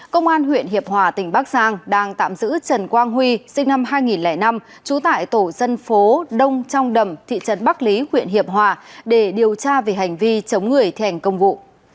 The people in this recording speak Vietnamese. công an huyện hiệp hòa tỉnh bắc giang đang tạm giữ trần quang huy sinh năm hai nghìn năm trú tại tổ dân phố đông trong đầm thị trấn bắc lý huyện hiệp hòa để điều tra về hành vi chống người thi hành công vụ